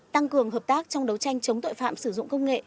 tăng cường hợp tác trong đấu tranh chống tội phạm sử dụng công nghệ